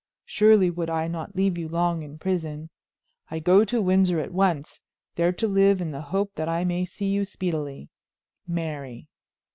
Surely would I not leave you long in prison. I go to Windsor at once, there to live in the hope that I may see you speedily. "MARY."